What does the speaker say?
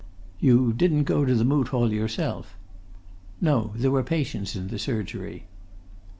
"You didn't go to the Moot Hall yourself?" "No; there were patients in the surgery."